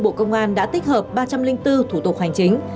bộ công an đã tích hợp ba trăm linh bốn thủ tục hành chính